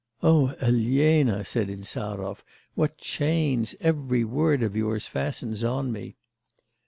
'O Elena!' said Insarov, 'what chains every word of yours fastens on me!